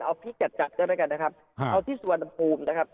เอาพี่จัดจัดก็แล้วกันนะครับเอาที่สุวรรณภูมินะครับ